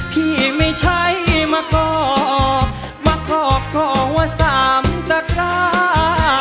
พี่ไม่ใช่มาขอบมาขอบขอว่าสามตะกรา